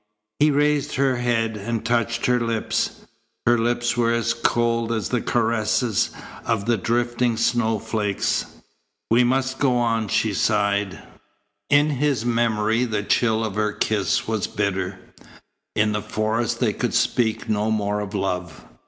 He raised her head and touched her lips. Her lips were as cold as the caresses of the drifting snowflakes. "We must go on," she sighed. In his memory the chill of her kiss was bitter. In the forest they could speak no more of love.